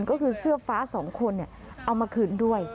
ก็คือเสื้อฟ้าสองคนเอามาคืนด้วย